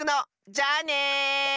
じゃあね！